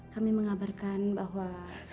kami mengabarkan bahwa